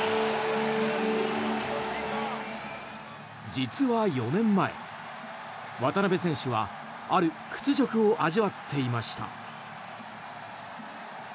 実は４年前、渡邊選手はある屈辱を味わっていました。